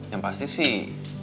yang pasti sih